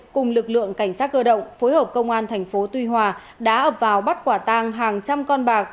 cùng lực lượng cảnh sát cơ động phối hợp công an tp tuy hòa đã ập vào bắt quả tăng hàng trăm con bạc